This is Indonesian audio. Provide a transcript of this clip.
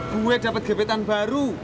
gue dapet gebetan baru